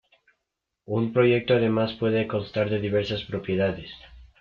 Un proyecto, además, puede constar de diversas propiedades.